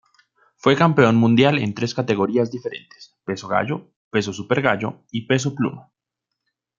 Fue campeón mundial en tres categorías diferentes, Peso gallo, Peso supergallo y Peso pluma.